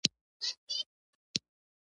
محبت مې د نا امیدۍ په ژوره کې ښخ شو.